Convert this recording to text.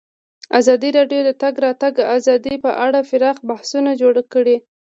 ازادي راډیو د د تګ راتګ ازادي په اړه پراخ بحثونه جوړ کړي.